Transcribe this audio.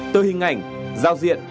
tư hình ảnh giao diện